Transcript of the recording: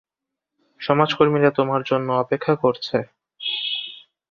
সমাজকর্মীরা তোমার জন্যে অপেক্ষা করছে।